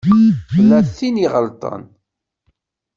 Tella tin i iɣelṭen.